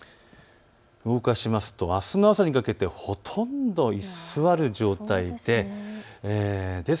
動かしますと、あすの朝にかけてほとんど居座る状態です。